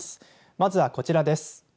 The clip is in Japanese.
まずは、こちらです。